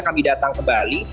kami datang ke bali